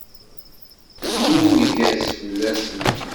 Zmumeg-as fell-asent.